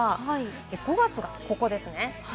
５月がここですね。